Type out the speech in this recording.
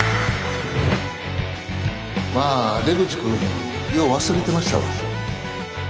まあ出口君よう忘れてましたわ。